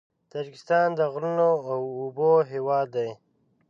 تاجکستان د غرونو او اوبو هېواد دی.